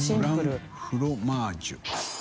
「フランフロマージュ」大島）